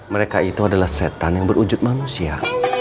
mereka itu adalah setan yang berwujud manusia